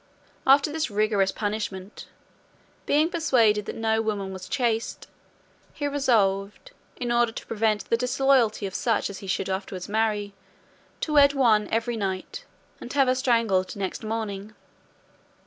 After this rigorous punishment, being persuaded that no woman was chaste, he resolved, in order to prevent the disloyalty of such as he should afterwards marry, to wed one every night, and have her strangled next morning.